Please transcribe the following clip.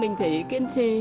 mình phải kiên trì